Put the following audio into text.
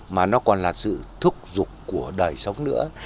mà nó còn là sự thúc giục của đời sống nữa